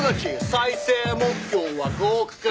「再生目標は５億回」